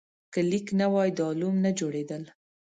که لیک نه وای، دا علوم نه جوړېدل.